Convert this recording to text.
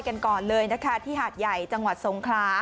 กันก่อนเลยนะคะที่หาดใหญ่จังหวัดทรงคลา